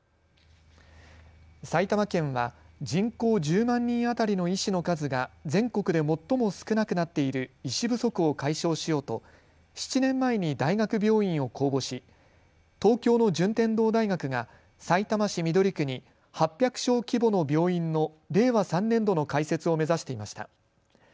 埼玉県は人口１０万人当たりの医師の数が全国で最も少なくなっている医師不足を解消しようと７年前に大学病院を公募し東京の順天堂大学がさいたま市緑区に８００床規模の病院の令和３年度の開設を目指していました。